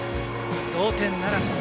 同点ならず。